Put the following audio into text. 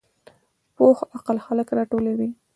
پوخ عقل خلک راټولوي